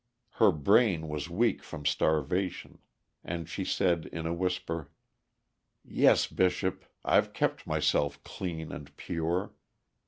Her brain was weak from starvation, and she said in a whisper: "Yes, Bishop, I've kept myself clean and pure.